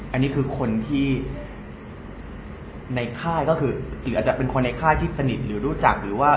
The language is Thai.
อันนี้คือคนที่ในค่ายก็คือหรืออาจจะเป็นคนในค่ายที่สนิทหรือรู้จักหรือว่า